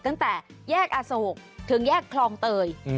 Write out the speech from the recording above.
ตั้งแต่แยกอโศกถึงแยกคลองเตย